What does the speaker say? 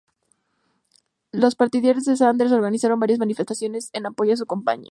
Los partidarios de Sanders organizaron varias manifestaciones en apoyo a su campaña.